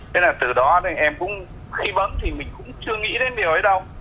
thế là từ đó nên em cũng khi bấm thì mình cũng chưa nghĩ đến điều ấy đâu